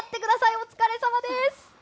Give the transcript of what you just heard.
お疲れさまです。